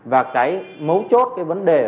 và cái mấu chốt cái vấn đề